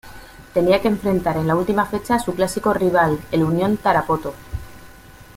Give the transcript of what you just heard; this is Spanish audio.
Tenía que enfrentar en la última fecha a su clásico rival el Unión Tarapoto.